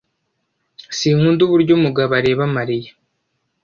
Sinkunda uburyo Mugabo areba Mariya.